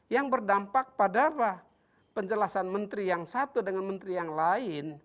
yang berdampak pada penjelasan menteri yang satu dengan menteri yang lain